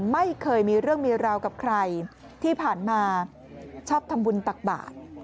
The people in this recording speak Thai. ไม่เคยมีเรื่องมีราวกับใครที่ผ่านมาชอบทำบุญตักบาท